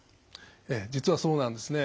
ええ実はそうなんですね。